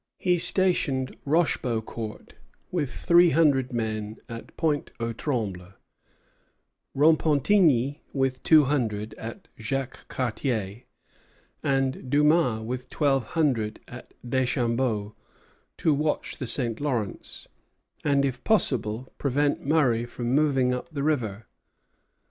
He stationed Rochbeaucourt with three hundred men at Pointe aux Trembles; Repentigny with two hundred at Jacques Cartier; and Dumas with twelve hundred at Deschambault to watch the St. Lawrence and, if possible, prevent Murray from moving up the river.